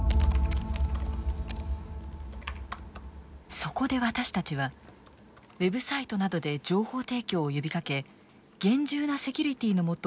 そこで私たちはウェブサイトなどで情報提供を呼びかけ厳重なセキュリティーのもと